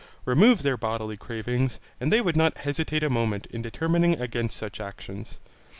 Remove their bodily cravings, and they would not hesitate a moment in determining against such actions.